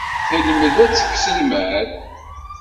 Telmed ad teks lmal.